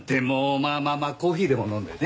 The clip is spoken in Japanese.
まあまあまあコーヒーでも飲んでね。